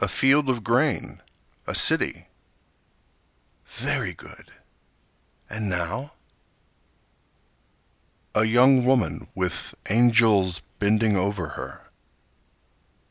A field of grain—a city. Very good! And now? A young woman with angels bending over her.